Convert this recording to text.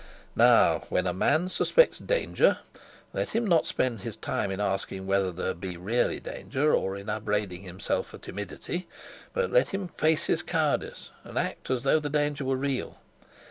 Now, when a man suspects danger, let him not spend his time in asking whether there be really danger or in upbraiding himself for timidity, but let him face his cowardice, and act as though the danger were real.